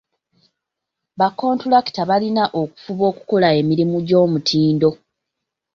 Bakkontulakita balina okufuba okukola emirumu gy'omutindo.